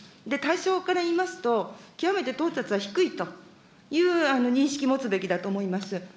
対象からいいますと、極めて到達は低いという認識を持つべきだと思います。